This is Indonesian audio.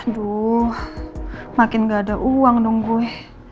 aduh makin gak ada uang dong gue